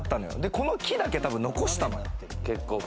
この木だけ、たぶん残したのよ。